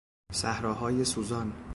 صحراهای سوزان